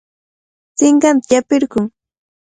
Sinqanta llapirqun.